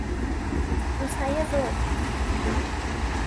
روزهای زوج